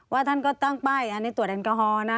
ว่าท่านก็ตั้งใบในตรวจแอนกาฮอล์